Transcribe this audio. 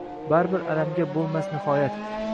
Baribir, alamga bo’lmas nihoyat.